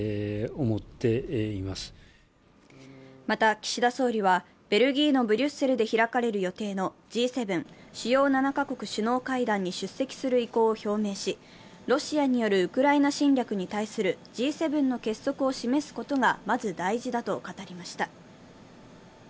また、岸田総理はベルギーのブリュッセルで開かれる予定のＧ７＝主要７か国首脳会談に出席する意向を表明しロシアによるウクライナ侵略に対するＧ７の結束を示すことがまず大事だと語りました。